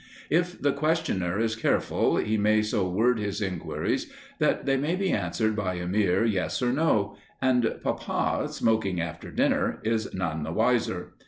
If the questioner is careful he may so word his inquiries that they may be answered by a mere "yes" or "no"; and papa, smoking after dinner, is none the wiser.